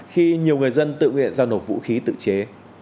khi nhiều người dân tự nguyện giao nộp vũ khí tự chế